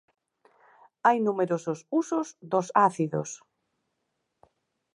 Hai numerosos usos dos ácidos.